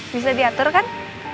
bisa diatur kan